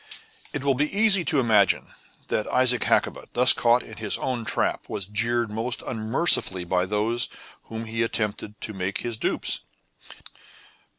It will be easily imagined that Isaac Hakkabut, thus caught in his own trap, was jeered most unmercifully by those whom he had attempted to make his dupes.